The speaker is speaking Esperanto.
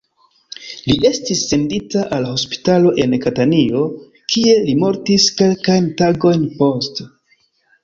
Li estis sendita al hospitalo en Katanio, kie li mortis kelkajn tagojn poste.